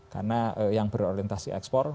karena yang berorientasi ekspor